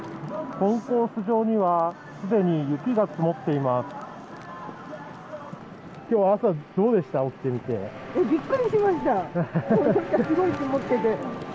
コンコース上にはすでに雪が積もっています。